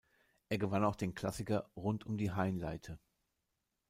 Er gewann auch den Klassiker Rund um die Hainleite.